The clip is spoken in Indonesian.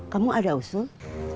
kamu ada usul